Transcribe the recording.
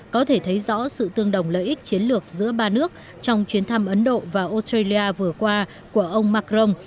có thể thấy rõ sự tương đồng lợi ích chiến lược giữa ba nước trong chuyến thăm ấn độ và australia vừa qua của ông macron